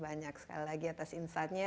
banyak sekali lagi atas insightnya